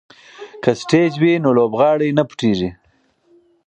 که سټیج وي نو لوبغاړی نه پټیږي.